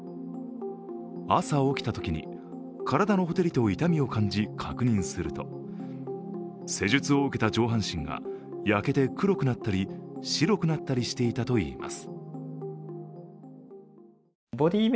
朝起きたときに体のほてりと痛みを感じ確認すると施術を受けた上半身が焼けて黒くなったり、白くなったりしていたといいます。